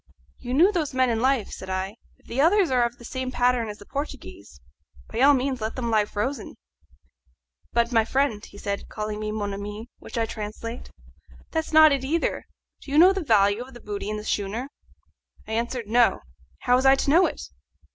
"You knew those men in life," said I. "If the others are of the same pattern as the Portuguese, by all means let them lie frozen." "But, my friend," said he, calling me mon ami, which I translate, "that's not it, either. Do you know the value of the booty in this schooner?" I answered, No; how was I to know it?